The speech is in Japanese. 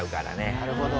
なるほど。